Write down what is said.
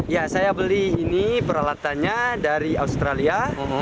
ya saya beli ini peralatannya dari australia